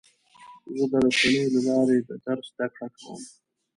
زه د رسنیو له لارې د درس زده کړه کوم.